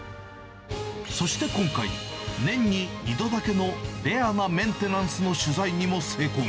そして今回、年に２度だけのレアなメンテナンスの取材にも成功。